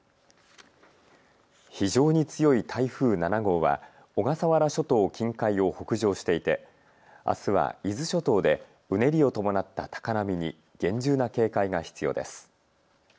非常に強い台風７号は小笠原諸島近海を北上していてあすは伊豆諸島でうねりを伴った高波に厳重な警戒が必要です。